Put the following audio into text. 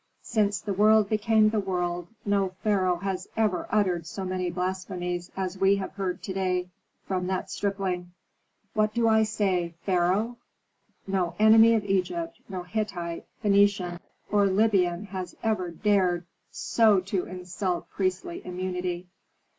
Since the world became the world, no pharaoh has ever uttered so many blasphemies as we have heard to day from that stripling. What do I say, pharaoh? No enemy of Egypt, no Hittite, Phœnician, or Libyan has ever dared so to insult priestly immunity."